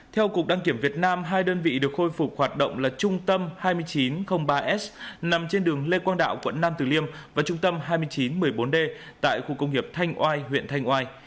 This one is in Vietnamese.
theo cục đăng kiểm việt nam hai đơn vị được khôi phục hoạt động là trung tâm hai nghìn chín trăm linh ba s nằm trên đường lê quang đạo quận nam tử liêm và trung tâm hai nghìn chín trăm một mươi bốn d tại khu công nghiệp thanh oai huyện thanh oai